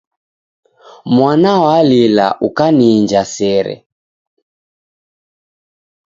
Mwana walila, ukaniinja sere.